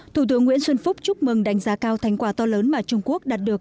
thủ tướng nguyễn xuân phúc chúc mừng đánh giá cao thành quả to lớn mà trung quốc đạt được